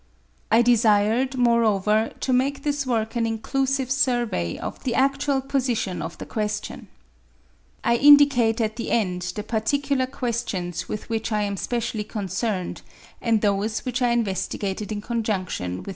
I desired, moreover, to make this work an inclusive survey of the adtual position of the question. I indicate at the end the particular questions with which I am specially concerned, and those which I investi gated in conjundtion with M.